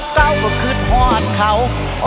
เก้าเค้าคืหนฮวดเขา